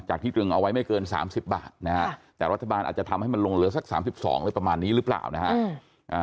ที่ตรึงเอาไว้ไม่เกิน๓๐บาทนะฮะแต่รัฐบาลอาจจะทำให้มันลงเหลือสัก๓๒อะไรประมาณนี้หรือเปล่านะฮะ